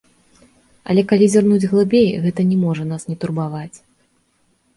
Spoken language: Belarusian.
Але, калі зірнуць глыбей, гэта не можа нас не турбаваць.